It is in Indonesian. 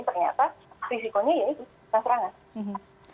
ternyata risikonya ya itu terserah nggak